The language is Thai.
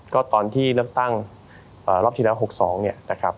ก็ตอนที่เลือกตั้งรอบที่แล้ว๖๒เนี่ยนะครับ